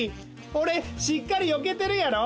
おれしっかりよけてるやろ？